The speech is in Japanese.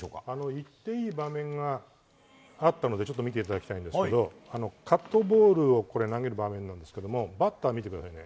いっていい場面があったので見ていただきたいんですがカットボールを投げる場面ですがバッターを見てください。